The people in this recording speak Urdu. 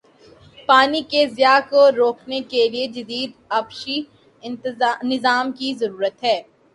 پانی کے ضیاع کو روکنے کے لیے جدید آبپاشی نظام کی ضرورت ہے